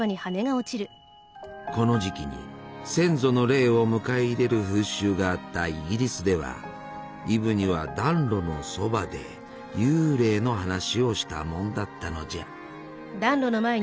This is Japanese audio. この時期に先祖の霊を迎え入れる風習があったイギリスではイブには暖炉のそばで幽霊の話をしたもんだったのじゃ。